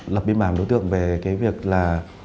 lập biên bản đối tượng về cái việc là